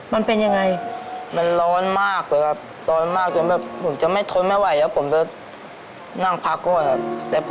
เคยครับเกือบเป็นลมเลยครับ